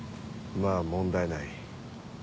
まぁ問題ない。